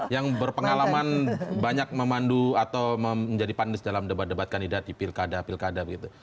yang berpengalaman banyak memandu atau menjadi panelis dalam debat debat kandidat di pilkada pilkada begitu